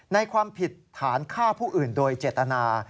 ความผิดฐานฆ่าผู้อื่นโดยเจตนา